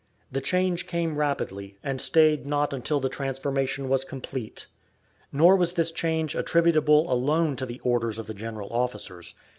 The change came rapidly, and stayed not until the transformation was complete. Nor was this change attributable alone to the orders of the general officers.